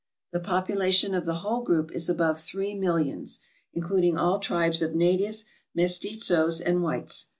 The population of the whole group is above three mil lions, including all tribes of natives, mestizoes, and whites.